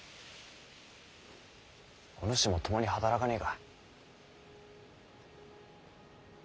お主も共に働かねぇか？